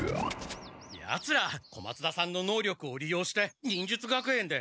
ヤツら小松田さんののうりょくをりようして忍術学園で。